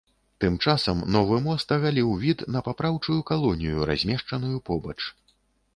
Тым часам новы мост агаліў від на папраўчую калонію, размешчаную побач.